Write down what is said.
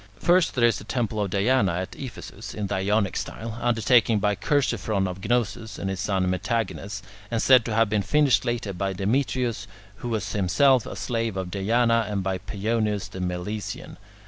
First there is the temple of Diana at Ephesus, in the Ionic style, undertaken by Chersiphron of Gnosus and his son Metagenes, and said to have been finished later by Demetrius, who was himself a slave of Diana, and by Paeonius the Milesian.